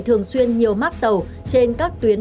thường xuyên nhiều mác tàu trên các tuyến